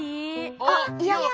あっいや。